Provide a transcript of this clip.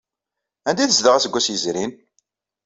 Anda ay tezdeɣ aseggas yezrin?